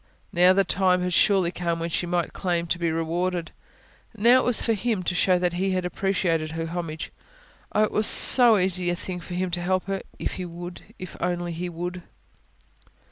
Now the time had surely come when she might claim to be rewarded. Now it was for Him to show that He had appreciated her homage. Oh, it was so easy a thing for Him to help her, if He would ... if He only would!